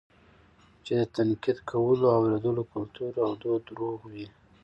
چې د تنقيد کولو او اورېدلو کلتور او دود روغ وي